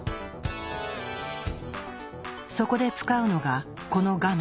そこで使うのがこの画面。